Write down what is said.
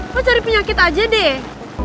kok cari penyakit aja deh